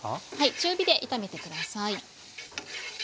中火で炒めて下さい。